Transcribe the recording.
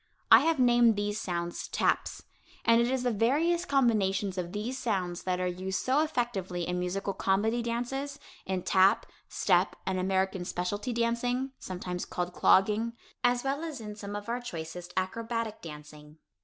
I have named these sounds "taps," and it is the various combinations of these sounds that are used so effectively in musical comedy dances, in tap, step, and American specialty dancing (sometimes called clogging), as well as in some of our choicest acrobatic dancing.